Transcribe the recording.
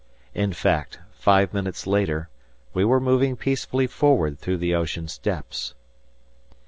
In fact, five minutes later, we were moving peacefully forward through the ocean's depths.